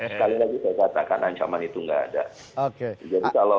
sekali lagi saya katakan ancaman itu nggak ada